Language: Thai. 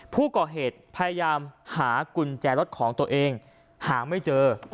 ผู้ก่อเหตุพยายามหากุญแจรถของตัวเองหาไม่เจอ